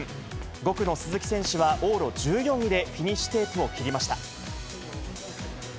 ５区の鈴木選手は、往路１４位でフィニッシュテープを切りました。